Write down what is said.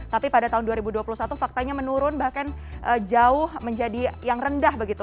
tapi pada tahun dua ribu dua puluh satu faktanya menurun bahkan jauh menjadi yang rendah begitu